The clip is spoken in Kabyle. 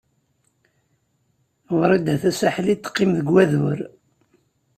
Wrida Tasaḥlit teqqim deg wadur.